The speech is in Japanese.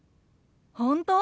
本当？